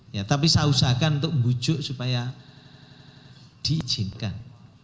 ya tapi saya usahakan untuk membujuk supaya diizinkan